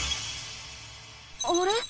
あれ？